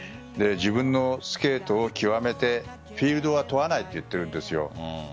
自分のスケートを極めてフィールドは問わないと言っているんです。